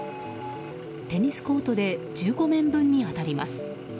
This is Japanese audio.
テニスコートで１５面分に当たります。